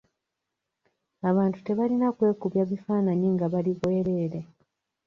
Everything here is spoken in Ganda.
Abantu tebalina kwekubya bifaananyi nga bali bwerere.